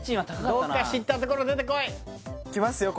どっか知ったところ出てこいきますよ